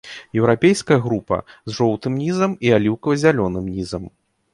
Еўрапейская група з жоўтым нізам і аліўкава-зялёным нізам.